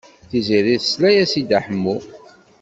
Tiziri tesla-as i Dda Ḥemmu.